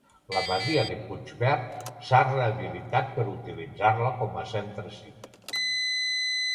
La masia de Puigvert s'ha rehabilitat per utilitzar-la com a centre cívic.